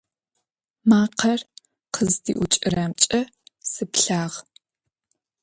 Makher khızdi'uç'ıremç'e sıplhağ.